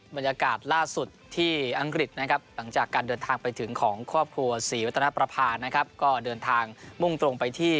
บรรยากาศล่าสุดที่อังกฤษนะครับหลังจากการเดินทางไปถึงของครอบครัวศรีวัฒนประพานะครับก็เดินทางมุ่งตรงไปที่